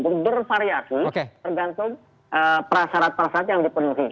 itu bervariasi tergantung persyarat persyarat yang dipenuhi